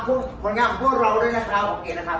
บอกเองนะครับให้ดูให้ได้ครับ